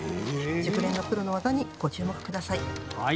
熟練のプロの技にご注目ください。